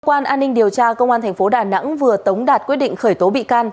cơ quan an ninh điều tra công an tp đà nẵng vừa tống đạt quyết định khởi tố bị can